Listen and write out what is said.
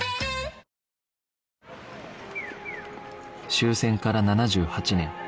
終戦から７８年